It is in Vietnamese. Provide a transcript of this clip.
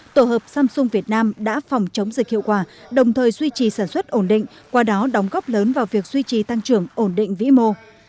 tổ hợp samsung việt nam đã phòng chống dịch hiệu quả đồng thời duy trì sản xuất ổn định qua đó đóng góp lớn vào việc duy trì tăng trưởng ổn định vĩ mô